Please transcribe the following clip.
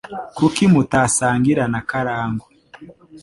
Kuki mutasangira na karangwa